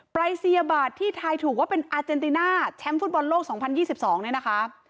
ปลายสีอบัตรที่ทายถูกว่าเป็นอาเจนติน่าแชมป์ฟุตบอลโลกส์สองพันยี่สิบสองเนี้ยนะคะ